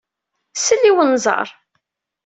Sel i unẓar.